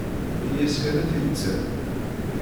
Ini-as kan ad t-id-terr.